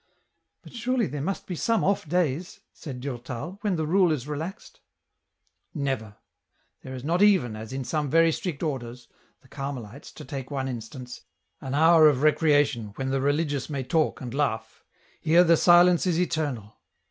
" But surely there must be some off days," said Durtal, " when the rule is relaxed ?"" Never ; there is not even, as in some very strict orders — the Carmelites, to take one instance — an hour of recrea tion, when the religious may talk and laugh. Here, the silence is eternal."